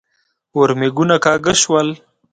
ورمېږونه کاږه شول.